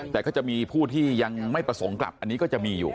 แต่ก็จะมีผู้ที่ยังไม่ประสงค์กลับอันนี้ก็จะมีอยู่